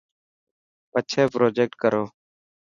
پڇي پروجيڪٽ ڪرو.